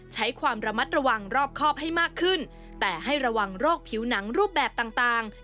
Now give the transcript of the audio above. ใช้ความระมัดระวังรอบครอบให้มากขึ้นแต่ให้ระวังโรคผิวหนังรูปแบบต่าง